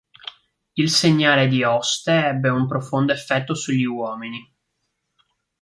Il segnale di Hoste ebbe un profondo effetto sugli uomini.